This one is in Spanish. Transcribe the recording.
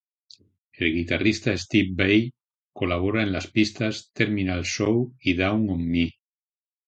El guitarrista Steve Vai colabora en las pistas "Terminal Show" y "Down on Me".